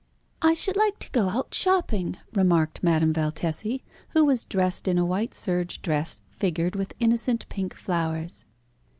"I should like to go out shopping," remarked Madame Valtesi, who was dressed in a white serge dress, figured with innocent pink flowers.